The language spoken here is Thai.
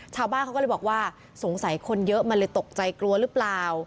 ชาวบ้านเขาก็เลยบอกว่าสงสัยคนเยอะมันเลยตกใจกลัวหรือเปล่า